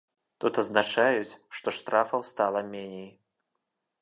Тут адзначаюць, што штрафаў стала меней.